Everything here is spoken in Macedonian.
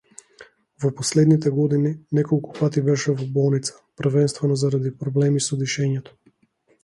Во последните години неколку пати беше во болница, првенствено заради проблеми со дишењето.